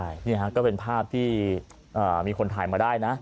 ใช่นี่ฮะก็เป็นภาพที่มีคนถ่ายมาได้นะ